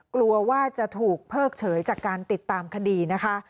กลัวว่าจะถูกเพิกเฉยจากการติดตามคดีนะคะ